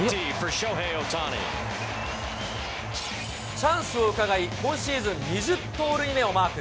チャンスをうかがい、今シーズン２０盗塁目をマーク。